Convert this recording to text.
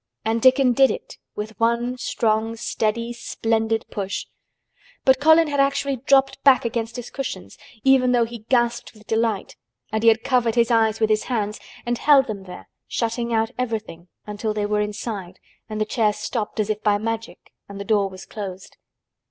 And Dickon did it with one strong, steady, splendid push. But Colin had actually dropped back against his cushions, even though he gasped with delight, and he had covered his eyes with his hands and held them there shutting out everything until they were inside and the chair stopped as if by magic and the door was closed.